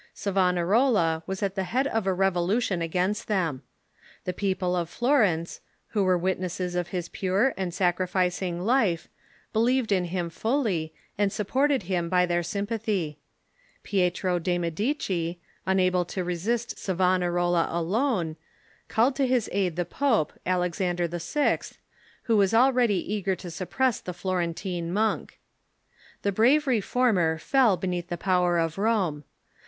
Savonarola was at the head of a revolution against them. The people of Florence, who were witnesses of his pure and sacri ficing life, believed in him fully, and supported him by their sympathy. Pietro de' Medici, unable to resist Savonarola alone, called to his aid the pope, Alexander VI., w^ho Avas already eager to suppress the Florentine monk. The brave Reformer fell beneath the power of Rome.